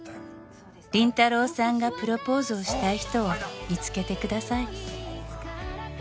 「林太郎さんがプロポーズをしたい人を見つけてください」